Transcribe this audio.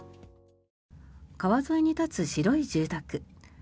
川沿いに立つ白い住宅。